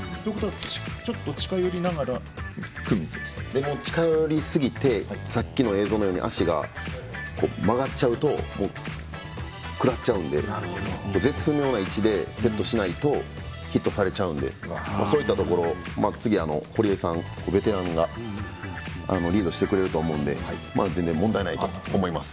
ちょっと近寄りながら近寄りすぎてさっきの映像のように足が曲がっちゃうと食らっちゃうので絶妙な位置でセットしないとヒットされちゃうんでそういったところ次、堀江さんらベテランがリードしてくれると思うんで全然問題ないと思います。